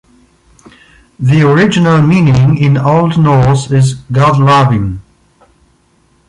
The original meaning in Old Norse is "God-loving".